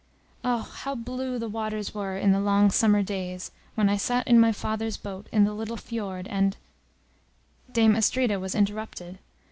Ah! how blue the waters were in the long summer days when I sat in my father's boat in the little fiord, and " Dame Astrida was interrupted.